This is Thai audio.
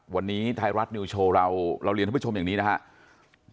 วันนี้ไทยรัฐนิวโชว์เราเราเรียนท่านผู้ชมอย่างนี้นะครับ